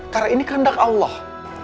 karena ini kehendak allah